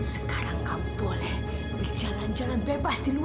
sekarang kamu boleh berjalan jalan bebas di luar